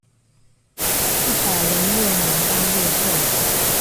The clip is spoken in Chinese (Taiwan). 一百零六年八月份